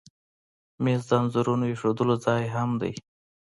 مېز د انځورونو ایښودلو ځای هم دی.